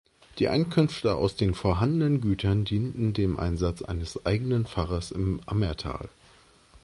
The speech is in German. Die Einkünfte aus den vorhandenen Gütern dienten dem Einsatz eines eigenen Pfarrers im Ammertal.